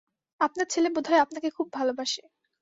আপনার ছেলে বোধহয় আপনাকে খুব ভালোবাসে।